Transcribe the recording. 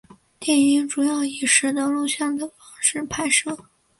电影主要以拾得录像的方式拍摄。